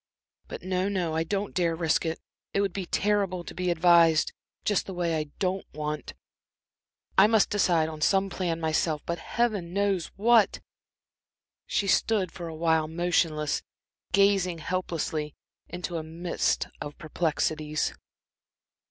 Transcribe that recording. But no, no, I don't dare risk it; it would be terrible to be advised just the way I don't want. I must decide on some plan myself. But Heaven knows what!" She stood for a while motionless, gazing helplessly into a mist of perplexities.